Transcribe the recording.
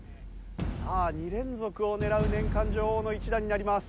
さあ２連続を狙う年間女王の一打になります。